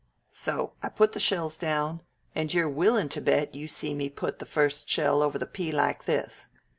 So I put the shells down, and you're willin' to bet you see me put the first shell over the pea like this.